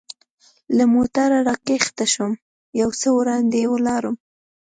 له موټره را کښته شوم، یو څه وړاندې ولاړم.